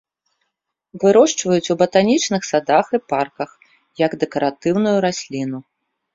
Вырошчваюць ў батанічных садах і парках як дэкаратыўную расліну.